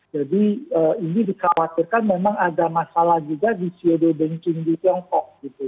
jadi ini dikhawatirkan memang ada masalah juga di cedo banking di tiongkok gitu